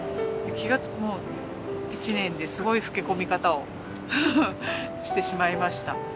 気がつくと１年ですごい老け込み方をしてしまいました。